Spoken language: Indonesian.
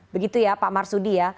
begitu ya pak marsudi ya